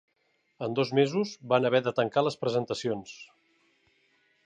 En dos mesos van haver de tancar les presentacions.